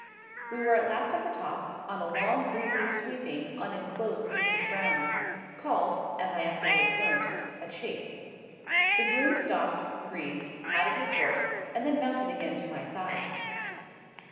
We were at last at the top,—on a long, breezy, sweeping, unenclosed piece of ground, called, as I afterwards learnt, a Chase. The groom stopped, breathed, patted his horse, and then mounted again to my side.